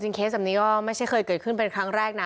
เคสแบบนี้ก็ไม่ใช่เคยเกิดขึ้นเป็นครั้งแรกนะ